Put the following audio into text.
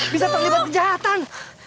bisa terlibat kejahatan